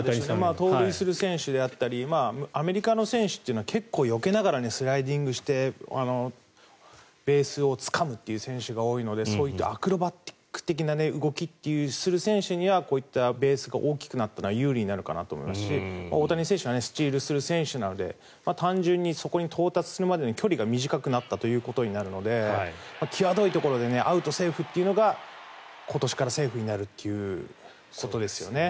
盗塁する選手であったりアメリカの選手って結構、よけながらスライディングしてベースをつかむという選手が多いのでそういう、アクロバティック的な動きをする選手にはこういったベースが大きくなったのは有利になるかなと思いますし大谷選手はスチールする選手なので単純にそこに到達するまでの距離が短くなったということになるので際どいところでアウト、セーフというのが今年からセーフになるということですよね。